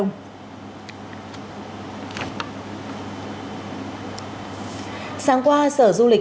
sáng qua sở du lịch hải phòng đã đưa ra một bài hỏi về các đường bay